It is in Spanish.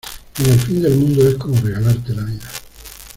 en el fin del mundo es como regalarte la vida.